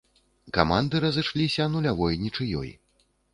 Каманды разышліся нулявой нічыёй.